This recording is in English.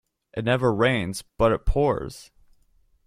It never rains but it pours.